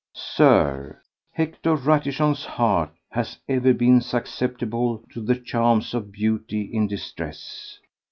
Sir, Hector Ratichon's heart has ever been susceptible to the charms of beauty in distress.